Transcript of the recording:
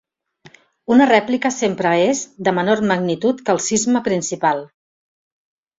Una rèplica sempre és de menor magnitud que el sisme principal.